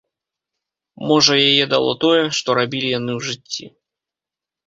Можа яе дало тое, што рабілі яны ў жыцці.